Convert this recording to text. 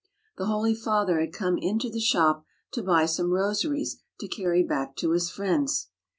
The holy father had come into the shop to buy some rosaries to carry back to his friends.